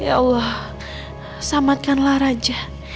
ya allah samadkanlah raja